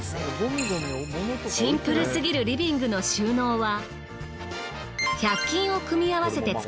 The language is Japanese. シンプルすぎるリビングの収納は。